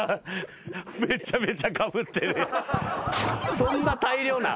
そんな大量なん？